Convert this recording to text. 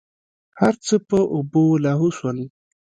هرڅه په اوبو لاهو سول.